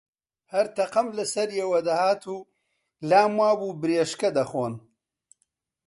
هەر تەقەم لە سەریەوە دەهات و لام وا بوو برێشکە دەخۆن